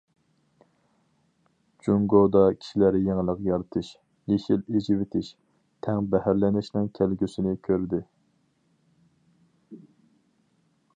جۇڭگودا كىشىلەر يېڭىلىق يارىتىش، يېشىل، ئېچىۋېتىش، تەڭ بەھرىلىنىشنىڭ كەلگۈسىنى كۆردى.